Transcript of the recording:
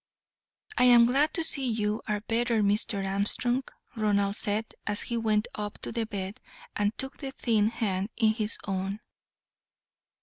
"I am glad to see you are better, Mr. Armstrong," Ronald said, as he went up to the bed, and took the thin hand in his own.